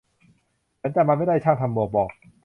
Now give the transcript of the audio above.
ฉันจำมันไม่ได้ ช่างทำหมวกบอก